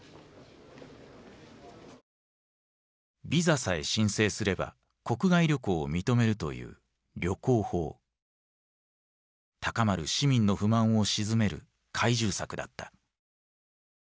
ビザさえ申請すれば国外旅行を認めるという高まる市民の不満を鎮める懐柔策だった。